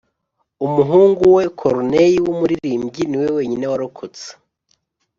umuhungu we corneille w'umuririmbyi niwe wenyine warokotse